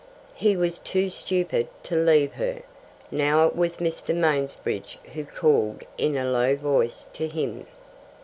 He was too stupid to leave her. Now it was Mr. Mansbridge who called in a low voice to him.